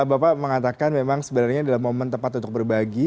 bapak mengatakan memang sebenarnya adalah momen tepat untuk berbagi